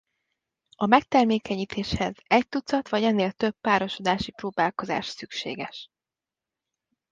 A megtermékenyítéshez egy tucat vagy ennél több párosodási próbálkozás szükséges.